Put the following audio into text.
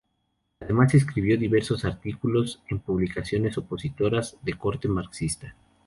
Además, escribió diversos artículos en publicaciones opositoras de corte marxista.